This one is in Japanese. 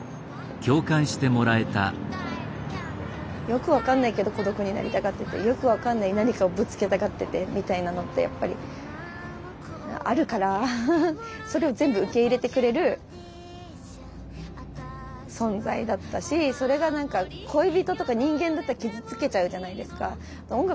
よく分かんないけど孤独になりたがっててよく分かんない何かをぶつけたがっててみたいなのってやっぱりあるからそれを全部受け入れてくれる存在だったしそれが恋人とか人間だったら傷つけちゃうじゃないですか。